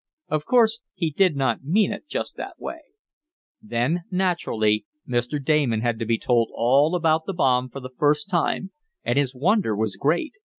Of course he did not mean it just that way. Then, naturally, Mr. Damon had to be told all about the bomb for the first time, and his wonder was great.